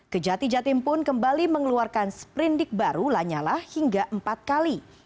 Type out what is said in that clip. kejati jatim pun kembali mengeluarkan sprindik baru lanyala hingga empat kali